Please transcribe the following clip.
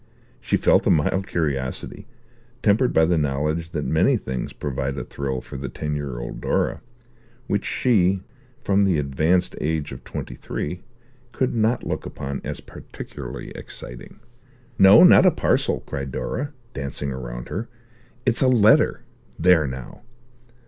She felt a mild curiosity, tempered by the knowledge that many things provided a thrill for the ten year old Dora, which she, from the advanced age of twenty three, could not look upon as particularly exciting. "No, not a parcel," cried Dora, dancing round her. "It's a letter. There now!"